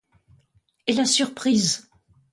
Et la surprise?